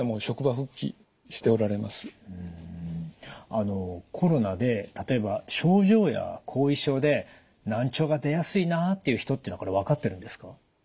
あのコロナで例えば症状や後遺症で難聴が出やすいなあっていう人っていうのは分かってるんですか？